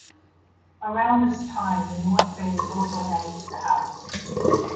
Around this time the North Bay was also added to the house.